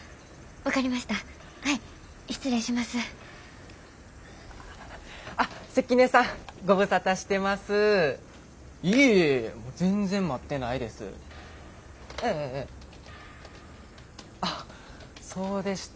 分かりました。